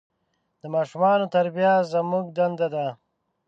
د ماشومان تربیه زموږ دنده ده.